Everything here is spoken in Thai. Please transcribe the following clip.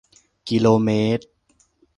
กิโลเมตร